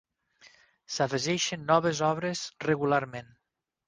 S'afegeixen noves obres regularment.